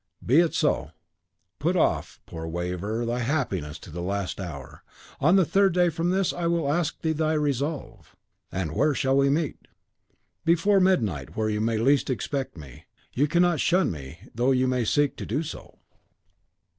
"Be it so. Put off, poor waverer, thy happiness to the last hour. On the third day from this, I will ask thee thy resolve." "And where shall we meet?" "Before midnight, where you may least expect me. You cannot shun me, though you may seek to do so!"